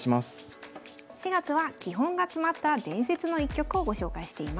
４月は「基本が詰まった伝説の一局」をご紹介しています。